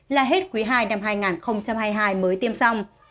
là hết quý ii năm hai nghìn hai mươi hai mới tiêm xong